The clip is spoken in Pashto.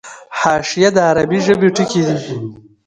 حاشیه د عربي ژبي ټکی دﺉ.